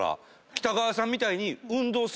北川さんみたいに。